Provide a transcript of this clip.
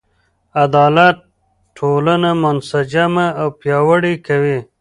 عدالت ټولنه منسجمه او پیاوړې کوي.